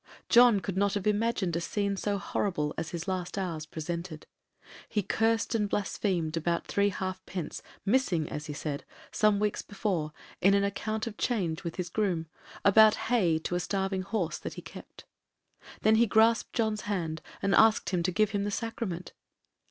John could not have imagined a scene so horrible as his last hours presented. He cursed and blasphemed about three half pence, missing, as he said, some weeks before, in an account of change with his groom, about hay to a starving horse that he kept. Then he grasped John's hand, and asked him to give him the sacrament.